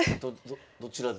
どどちら？